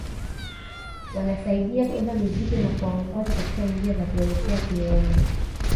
Wanawasaidia kubeba mizigo na kuwaongoza katika njia za kuelekea kileleni